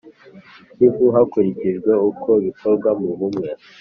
Kivu hakurikijwe uko bikorwa mu Bumwe